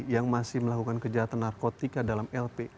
yang masih melakukan kejahatan narkotika dalam lp